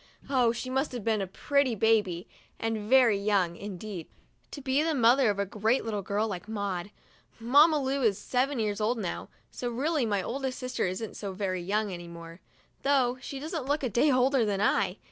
Oh, she must have been a pretty baby, and very young, indeed, to be the mother of a great girl like Maud! Mamma Lu is seven years old now, so really my oldest sister isn't so very young any more, though she doesn't look a day older than I.